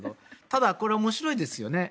ただ、これ面白いですよね。